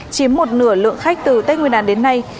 chiếm một nửa lượng khách từ tết nguyên đàn đến nay